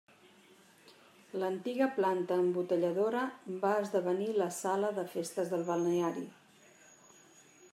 L'antiga planta embotelladora va esdevenir la sala de festes del balneari.